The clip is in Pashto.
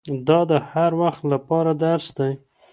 دا د هر وخت له پاره درس دی